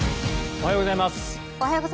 おはようございます。